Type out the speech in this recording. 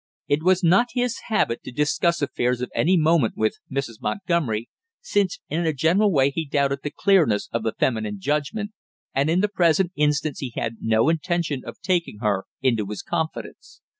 It was not his habit to discuss affairs of any moment with Mrs. Montgomery, since in a general way he doubted the clearness of the feminine judgment, and in the present instance he had no intention of taking her into his confidence.